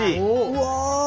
うわ！